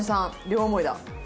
両思いだ。